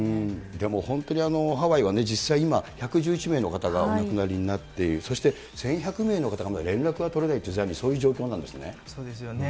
でも本当に、ハワイはね、実際今、１１１名の方がお亡くなりなっている、そして１１００名の方が連絡が取れないという、そういう状況なんそうですよね。